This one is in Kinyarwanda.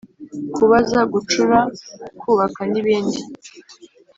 kubaza, gucura, kubaka nibindi